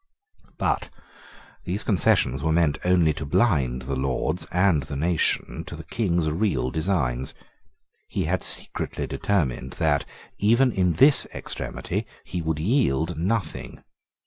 But these concessions were meant only to blind the Lords and the nation to the King's real designs. He had secretly determined that, even in this extremity, he would yield nothing.